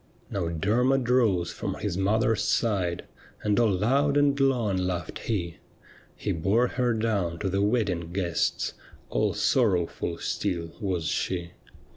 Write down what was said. ' Now Dcrmod rose from his mother's side, And all loud and long laughed he ; He bore her down to the wedding guests, All sorrowful still was she.